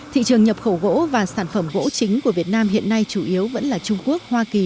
thị trường nhập khẩu gỗ và sản phẩm gỗ chính của việt nam hiện nay chủ yếu vẫn là trung quốc hoa kỳ